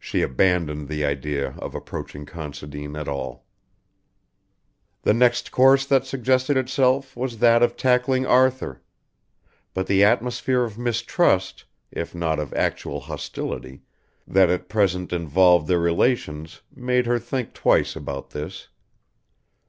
She abandoned the idea of approaching Considine at all. The next course that suggested itself was that of tackling Arthur; but the atmosphere of mistrust, if not of actual hostility, that at present involved their relations made her think twice about this.